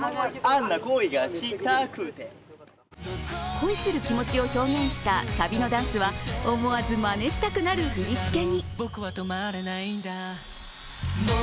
恋する気持ちを表現したサビのダンスは思わずまねしたくなる振り付けに。